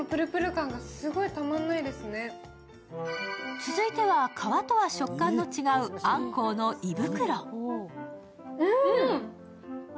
続いては皮とは食感の違うあんこうの胃袋。